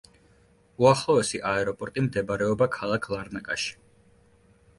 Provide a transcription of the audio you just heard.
უახლოესი აეროპორტი მდებარეობა ქალაქ ლარნაკაში.